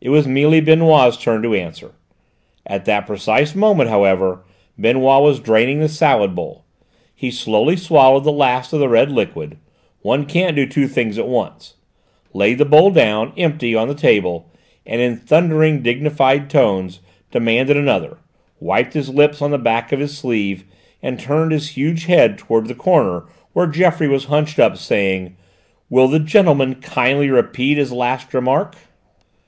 It was Mealy Benoît's turn to answer. At that precise moment, however, Benoît was draining the salad bowl. He slowly swallowed the last of the red liquid one can't do two things at once laid the bowl down, empty, on the table, and in thundering, dignified tones demanded another, wiped his lips on the back of his sleeve, and turned his huge head towards the corner where Geoffroy was hunched up, saying, "Will the gentleman kindly repeat his last remark?"